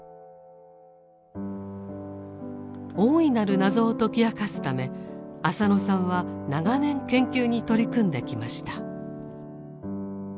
大いなる謎を解き明かすため浅野さんは長年研究に取り組んできました。